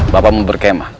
bapak mau berkemah